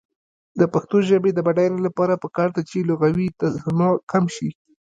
د پښتو ژبې د بډاینې لپاره پکار ده چې لغوي تصنع کم شي.